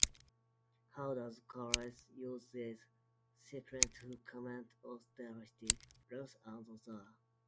How does Carroll use these scenes to comment on society, rules, and order?